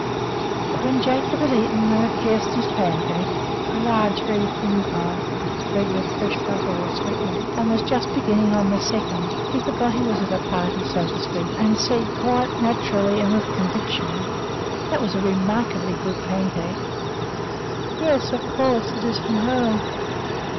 But when Jacob had eaten one of Kjersti's pancakes (a large, very thin kind, spread with fresh butter or sweetmeats) and was just beginning on the second, he forgot that he was at a party, so to speak, and said quite naturally and with conviction, "That was a remarkably good pancake!" "Yes, of course; it is from Hoel."